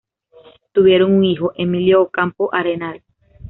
Tuvieron un hijo, Emilio Ocampo Arenal.